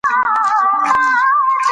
هغوی فصلونه تباه کول.